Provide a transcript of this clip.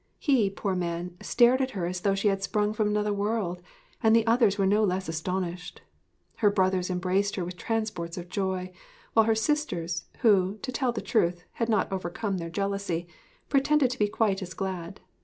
He, poor man, stared at her as though she had sprung from another world, and the others were no less astonished. Her brothers embraced her with transports of joy, while her sisters who, to tell the truth, had not overcome their jealousy pretended to be quite as glad.